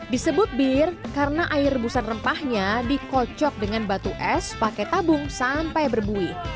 disebut beer karena air rebusan rempahnya dikocok dengan batu es pakai tabung sampai berbuih